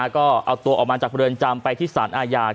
ก็เอาตัวออกมาจากเรือนจำไปที่สารอาญา